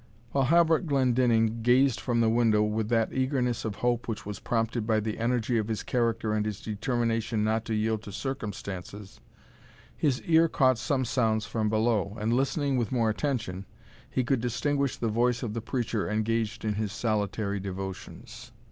While Halbert Glendinning gazed from the window with that eagerness of hope which was prompted by the energy of his character and his determination not to yield to circumstances, his ear caught some sounds from below, and listening with more attention, he could distinguish the voice of the preacher engaged in his solitary devotions.